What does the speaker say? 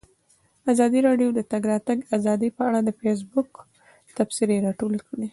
ازادي راډیو د د تګ راتګ ازادي په اړه د فیسبوک تبصرې راټولې کړي.